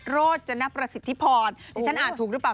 โรจนประสิทธิพรดิฉันอ่านถูกหรือเปล่า